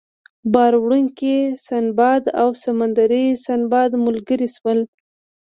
بار وړونکی سنباد او سمندري سنباد ملګري شول.